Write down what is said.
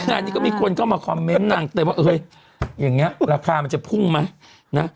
งานนี้ก็มีคนเข้ามาคอมเมนต์นางเต็มว่าเฮ้ยอย่างนี้ราคามันจะพุ่งไหมนะ